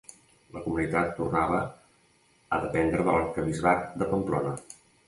La comunitat tornava a dependre de l'arquebisbat de Pamplona.